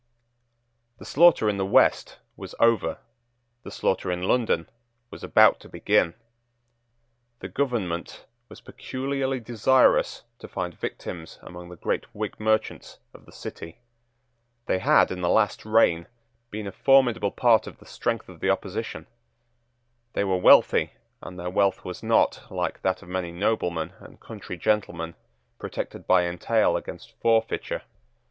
The slaughter in the West was over. The slaughter in London was about to begin. The government was peculiarly desirous to find victims among the great Whig merchants of the City. They had, in the last reign, been a formidable part of the strength of the opposition. They were wealthy; and their wealth was not, like that of many noblemen and country gentlemen, protected by entail against forfeiture.